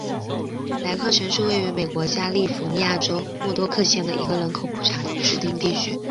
莱克城是位于美国加利福尼亚州莫多克县的一个人口普查指定地区。